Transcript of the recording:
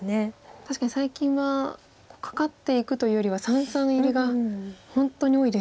確かに最近はカカっていくというよりは三々入りが本当に多いですよね。